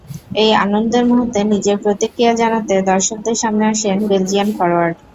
এই আনন্দের মুহূর্তে নিজের প্রতিক্রিয়া জানাতে দর্শকদের সামনে আসেন বেলজিয়ান ফরোয়ার্ড।